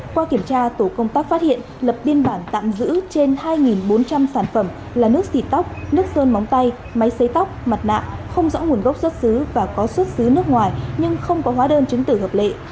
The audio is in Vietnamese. qua kiểm tra tổ công tác phát hiện lập biên bản tạm giữ trên hai bốn trăm linh sản phẩm là nước xịt tóc nước sơn móng tay máy xấy tóc mặt nạ không rõ nguồn gốc xuất xứ và có xuất xứ nước ngoài nhưng không có hóa đơn chứng tử hợp lệ